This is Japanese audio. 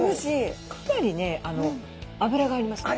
かなりね脂があります。